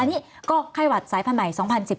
อันนี้ก็ไข้หวัดสายพันธุ์ใหม่๒๐๑๘